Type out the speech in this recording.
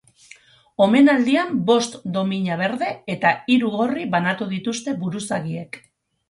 Omenaldian bost domina berde eta hiru gorri banatu dituzte buruzagiek.